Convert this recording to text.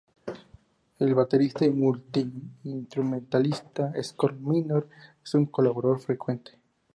El baterista y multi-instrumentalista Scott Minor es un colaborador frecuente.